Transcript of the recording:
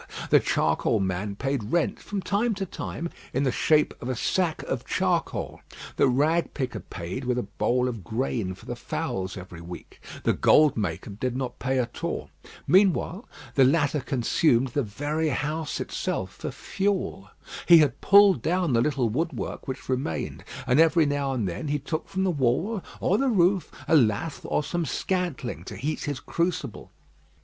The charcoal man paid rent from time to time in the shape of a sack of charcoal; the rag picker paid with a bowl of grain for the fowls every week; the "gold maker" did not pay at all. Meanwhile the latter consumed the very house itself for fuel. He had pulled down the little woodwork which remained; and every now and then he took from the wall or the roof a lath or some scantling, to heat his crucible.